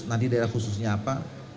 nanti daerah khususnya apa